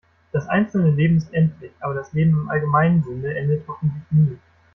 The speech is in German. Das einzelne Leben ist endlich, aber das Leben im allgemeinen Sinne endet hoffentlich nie.